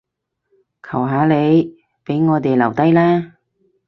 求下你，畀我哋留低啦